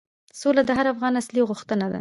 سوله د هر افغان اصلي غوښتنه ده.